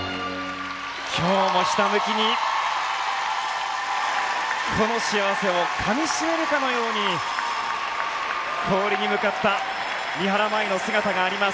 今日もひたむきにこの幸せをかみしめるかのように氷に向かった三原舞依の姿があります。